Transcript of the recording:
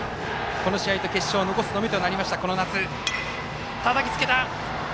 この試合と決勝を残すのみとなりました、この夏。